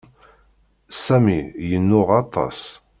Sami yennuɣ aṭas.